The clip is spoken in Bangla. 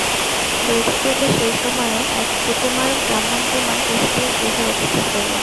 দৈবযোগে সেই সময়ে এক সুকুমার ব্রাহ্মণকুমার কেশবের গৃহে অতিথি হইলেন।